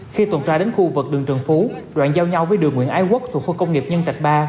khi tuần tra đến khu vực đường trần phú đoạn giao nhau với đường nguyễn ái quốc thuộc khu công nghiệp nhân trạch ba